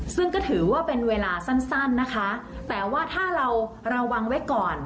ซึ่งก็ถือว่าเป็นเวลาสั้นนะคะแต่ว่าถ้าเราระวังไว้ก่อน